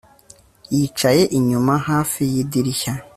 yicaye inyuma, hafi yidirishya